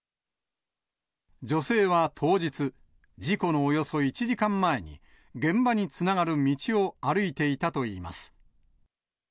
女性は当日、事故のおよそ１時間前に、現場につながる道を歩いていたといいます。